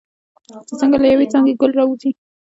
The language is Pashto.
چې څنګه له یوې څانګې ګل راوځي.